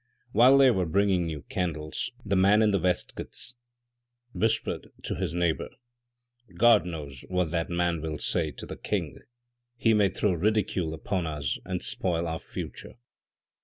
While they were bringing new candles, the man in the waistcoats, whispered to his neighbour :" God knows what that man will say to the king. He may throw ridicule upon us and spoil our future."